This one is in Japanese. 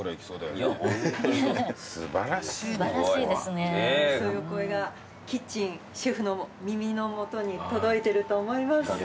そういうお声がキッチンシェフの耳のもとに届いてると思います。